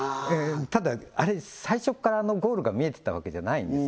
ただあれ最初っからあのゴールが見えてたわけじゃないんです